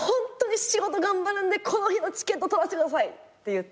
仕事頑張るんでこの日のチケット取らせてください！って言って。